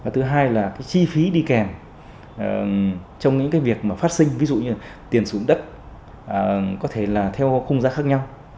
thứ hai là chi phí đi kèm trong những việc phát sinh ví dụ như tiền sụn đất có thể là theo khung giá khác nhau